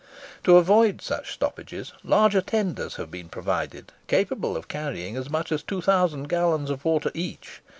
To avoid such stoppages, larger tenders have been provided, capable of carrying as much as 2000 gallons of water each.